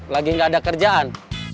lagi gak ada kerjaan